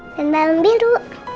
dan balem biru